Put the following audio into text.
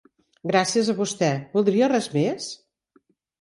Gràcies a vostè, voldria res més?